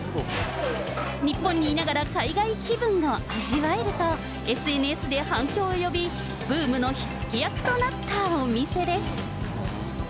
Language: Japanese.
日本にいながら、海外気分が味わえると、ＳＮＳで反響を呼び、ブームの火付け役となったお店です。